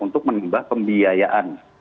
untuk menimba pembiayaan